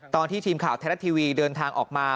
ตอนที่ทีมข่าวไทยรัฐทีวีเดินทางออกมา